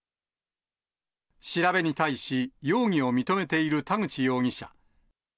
調べに対し、容疑を認めている田口容疑者。